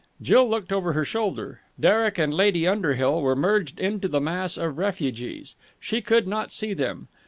Jill looked over her shoulder. Derek and Lady Underhill were merged into the mass of refugees. She could not see them.